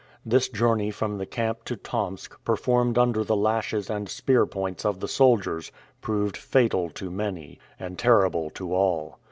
This journey from the camp to Tomsk, performed under the lashes and spear points of the soldiers, proved fatal to many, and terrible to all.